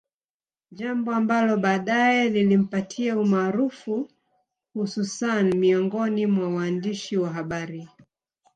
Jambo ambalo baadae lilimpatia umaarufu hususan miongoni mwa waandishi wa habari